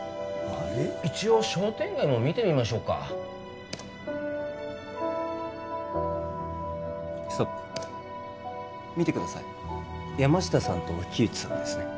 一応商店街も見てみましょうかストップ見てください山下さんと木内さんですね